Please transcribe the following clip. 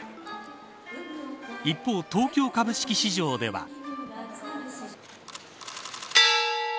一方、東京株式市場では。